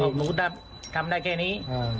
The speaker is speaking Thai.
หนูทำได้แค่นี้